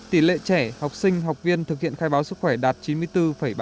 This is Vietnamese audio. tỷ lệ trẻ học sinh học viên thực hiện khai báo sức khỏe đạt chín mươi bốn ba mươi bốn